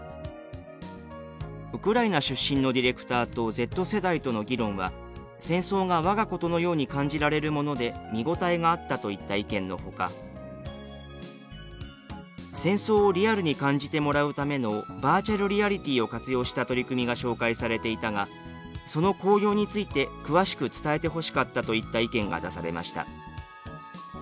「ウクライナ出身のディレクターとＺ世代との議論は戦争が我がことのように感じられるもので見応えがあった」といった意見のほか「戦争をリアルに感じてもらうためのバーチャルリアリティーを活用した取り組みが紹介されていたがその効用について詳しく伝えてほしかった」といった意見が出されました。